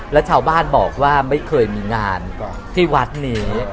แล้วชาวบ้านบอกว่าไม่เคยมีงานที่วัดนี้